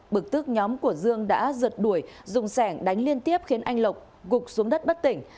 bực tức nhóm của dương đã giật đuổi dùng sẻng đánh liên tiếp khiến anh lộc gục xuống đất bất tỉnh